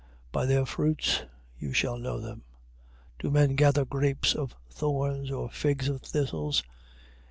7:16. By their fruits you shall know them. Do men gather grapes of thorns, or figs of thistles?